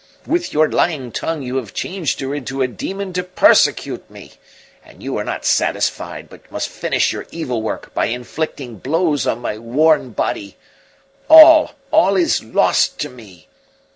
With your lying tongue you have changed her into a demon to persecute me! And you are not satisfied, but must finish your evil work by inflicting blows on my worn body! All, all is lost to me!